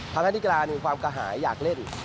ทั้งที่กีฬามีความกระหายอยากเล่น